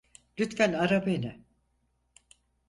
Lütfen ara beni.